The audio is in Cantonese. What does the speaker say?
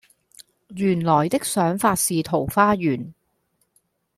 原來的想法是桃花源